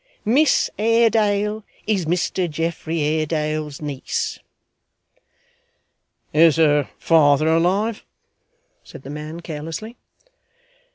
Miss Haredale is Mr Geoffrey Haredale's niece.' 'Is her father alive?' said the man, carelessly.